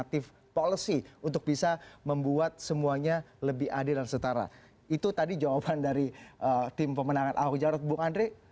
tim pemenangan ahok jawa dan bung andri